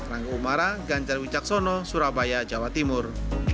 rangga umara ganjar wijaksono surabaya jawa timur